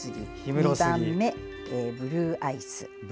２番目にブルーアイス。